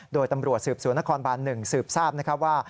โดยตำรวจสืบศูนย์นครบาน๑สืบทราบว่า